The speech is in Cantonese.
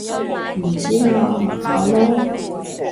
唔知啊問下囉